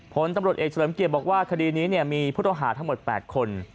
ผลตำรวจเอกเฉลิมเกียรติบอกว่าคดีนี้มีผู้ต้องหาทั้งหมด๘คน